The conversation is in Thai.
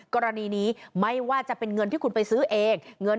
กรณีนี้ไม่ว่าจะเป็นเงินที่คุณไปซื้อเองเงิน